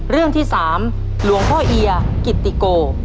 เรื่องที่๓หลวงพ่อเอียกิตติโก